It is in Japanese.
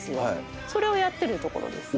それをやってるところです。